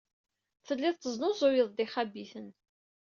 Telliḍ tesnuzuyeḍ-d ixabiten.